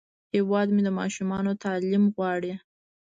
هیواد مې د ماشومانو تعلیم غواړي